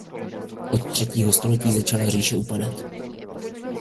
Od třetího století začala říše upadat.